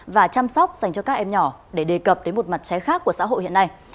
và chăm sóc dành cho các em nhỏ để đề cập đến một mặt trái khác của xã hội hiện nay